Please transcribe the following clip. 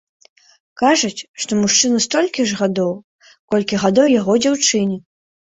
Кажуць, што мужчыну столькі ж гадоў, колькі гадоў яго дзяўчыне.